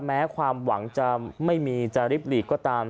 แม้ความหวังจะไม่มีจะริบหลีกก็ตาม